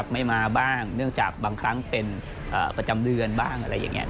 ไม่มาบ้างเนื่องจากบางครั้งเป็นประจำเดือนบ้าง